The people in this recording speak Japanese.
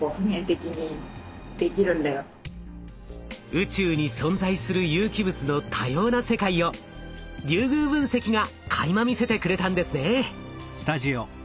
宇宙に存在する有機物の多様な世界をリュウグウ分析がかいま見せてくれたんですね。